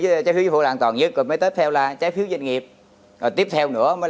với trái phiếu chính phủ an toàn nhất rồi mới tới theo là trái phiếu doanh nghiệp tiếp theo nữa mới